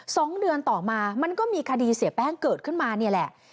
สองเดือนต่อมามันก็มีคดีเสียแป้งเกิดขึ้นมานี่แหละ